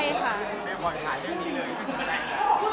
ไม่บ่อยหาเรื่องนี้เลยถึงไม่ได้เลย